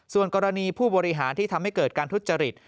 ส่วนกรณีผู้บริหารที่ทำให้เกิดการทุจริต